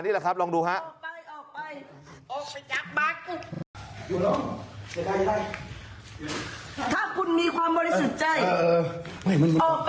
นี่แหละครับลองดูครับ